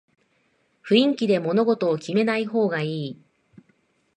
雰囲気で物事を決めない方がいい